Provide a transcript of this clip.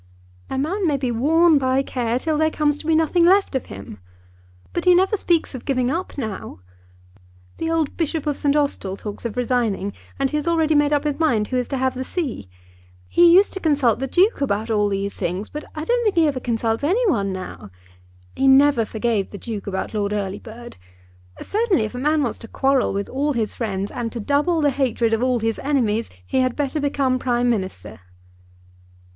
"A man may be worn by care till there comes to be nothing left of him. But he never speaks of giving up now. The old Bishop of St. Austell talks of resigning, and he has already made up his mind who is to have the see. He used to consult the Duke about all these things, but I don't think he ever consults any one now. He never forgave the Duke about Lord Earlybird. Certainly, if a man wants to quarrel with all his friends, and to double the hatred of all his enemies, he had better become Prime Minister."